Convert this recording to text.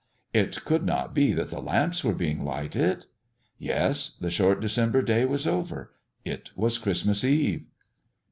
It could not be that the lamps were being lighted! Yes, the short December day was over it was Christmas Eve.